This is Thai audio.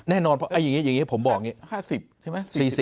แน่นอนอย่างนี้อย่างนี้ผมบอกอย่างนี้